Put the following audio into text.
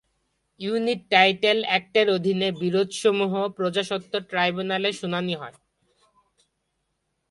Unit title অ্যাক্টের অধীনে বিরোধসমূহ প্রজাস্বত্ব ট্রাইব্যুনালে শুনানী হয়।